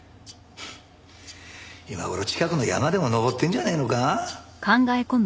フッ今頃近くの山でも登ってんじゃねえのか？